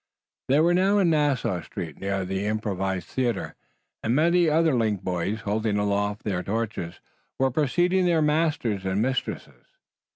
They were now in Nassau Street near the improvised theater, and many other link boys, holding aloft their torches, were preceding their masters and mistresses.